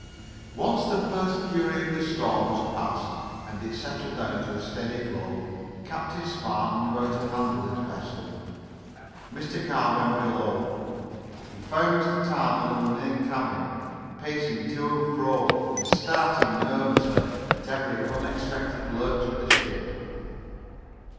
Once the first fury of the storm was past, and it settled down to a steady blow, Captain Spark knew how to handle his vessel. Mr. Carr went below. He found Mr. Tarbill in the main cabin, pacing to and fro and starting nervously at every unexpected lurch of the ship.